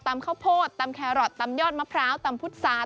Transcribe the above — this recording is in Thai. ตำข้าวโพดตำแครอตตำยอดมะพร้าวตำพุทธศาสตร์